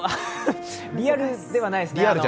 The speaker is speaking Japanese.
リアルではないですね。